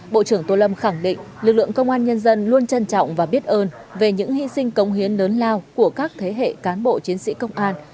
bộ trưởng tô lâm khẳng định lực lượng công an nhân dân luôn trân trọng và biết ơn về những hy sinh công hiến lớn lao của các thế hệ cán bộ chiến sĩ công an